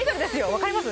分かります？